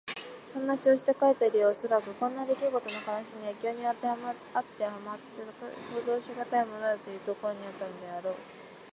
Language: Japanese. そんな調子で書いた理由はおそらく、こんなできごとの悲しみは異郷にあってはまったく想像しがたいものだ、というところにあったのであろう。